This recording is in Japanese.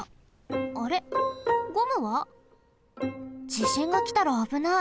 じしんがきたらあぶない。